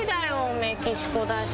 メキシコだし。